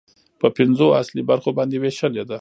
په پنځو اصلي برخو باندې ويشلې ده